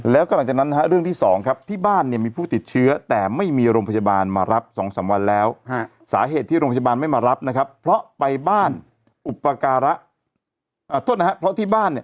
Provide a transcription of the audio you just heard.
แล้วก็หลังจากนั้นนะฮะเรื่องที่สองครับที่บ้านเนี่ยมีผู้ติดเชื้อแต่ไม่มีโรงพยาบาลมารับ๒๓วันแล้วสาเหตุที่โรงพยาบาลไม่มารับนะครับเพราะไปบ้านอุปการะโทษนะครับเพราะที่บ้านเนี่ย